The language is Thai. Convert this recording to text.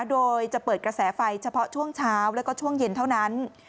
โดยจะเปิดกระแสไฟเฉพาะช่วงเช้าแล้วก็ช่วงเย็นเท่านั้น